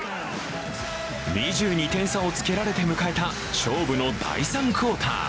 ２２点差をつけられて迎えた勝負の第３クオーター。